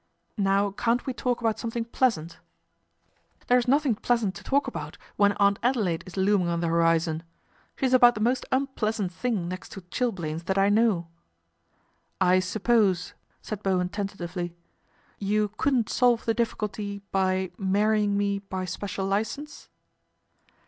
Now cau't we talk about something pleasant ?"" There is nothing pleasant to talk about when 104 PATRICIA BRENT, SPINSTER Aunt Adelaide is looming on the horizon. She's about the most unpleasant thing next to chil blains that I know." " I suppose," said Bowen tentatively, " you couldn't solve the difficulty by marrying me by special licence."